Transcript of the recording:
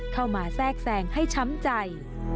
เข้ามาแทรกแทรงให้ช้ำใจ